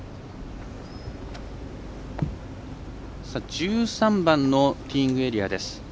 １３番のティーイングエリアです。